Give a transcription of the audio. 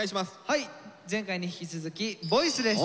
はい前回に引き続き「ＶＯＩＣＥ」です。